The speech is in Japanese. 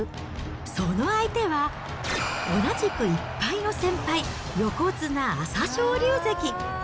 その相手は、同じく１敗の先輩、横綱・朝青龍関。